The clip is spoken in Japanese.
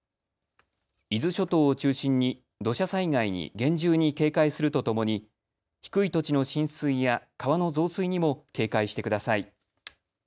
伊豆諸島を中心に土砂災害に厳重に警戒するとともに低い土地の浸水や川の増水にも警戒してください。